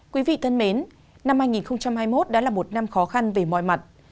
quý vị thân mến năm hai nghìn hai mươi một đã là một năm khó khăn về mọi mặt